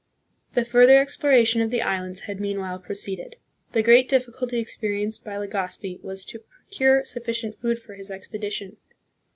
The further exploration of the islands had meanwhile proceeded. The great difficulty experienced by Legazpi was to pro cure sufficient food for his expedition.